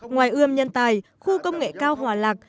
ngoài ươm nhân tài khu công nghệ cao hòa lạc